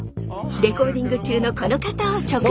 レコーディング中のこの方を直撃！